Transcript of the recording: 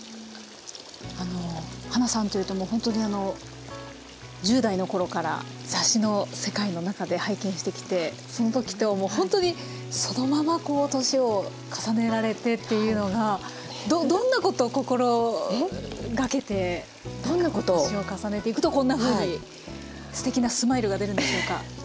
あのはなさんというともうほんとにあの１０代の頃から雑誌の世界の中で拝見してきてその時ともうほんとにそのままこう年を重ねられてっていうのがどんなことを心がけてどんなことを年を重ねていくとこんなふうにすてきなスマイルが出るんでしょうか？